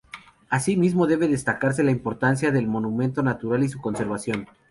Asimismo, debe destacarse la importancia del monumento natural y su conservación.